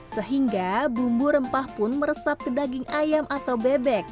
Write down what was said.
sehingga bumbu rempah pun meresap ke daging ayam atau bebek